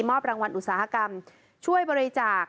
รางวัลอุตสาหกรรมช่วยบริจาค